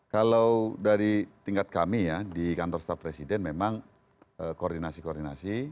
kalau dari tingkat kami ya di kantor staf presiden memang koordinasi koordinasi